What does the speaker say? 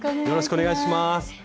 よろしくお願いします。